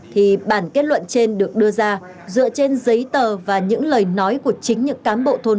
thì bản kết luận trên được đưa ra dựa trên giấy tờ và những lời nói của chính những cán bộ thôn